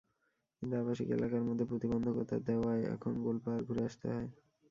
কিন্তু আবাসিক এলাকার মধ্যে প্রতিবন্ধকতা দেওয়ায় এখন গোলপাহাড় ঘুরে আসতে হয়।